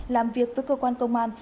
làm việc với cơ quan công an